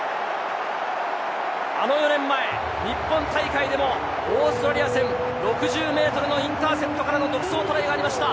４年前、日本大会でもオーストラリア戦、６０ｍのインターセプトからの独走トライがありました。